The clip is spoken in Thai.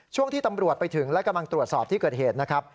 ช่วงที่ตำรวจไปถึงและกำลังตรวจสอบที่เกิดเหตุนะครับ